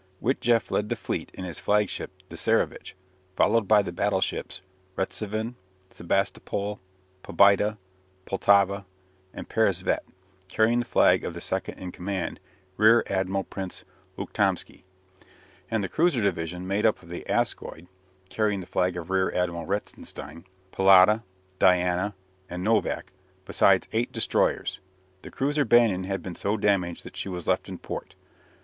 Witjeft led the fleet in his flagship the "Tsarevitch," followed by the battleships "Retsivan," "Sebastopol," "Pobieda," "Poltava," and "Peresviet" (carrying the flag of the second in command, Rear Admiral Prince Ukhtomsky), and the cruiser division made up of the "Askold" (carrying the flag of Rear Admiral Reitzenstein), "Pallada," "Diana," and "Novik," besides eight destroyers. The cruiser "Bayan" had been so damaged that she was left in port.